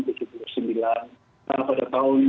pada tahun seribu sembilan ratus delapan puluh